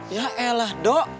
ya elah do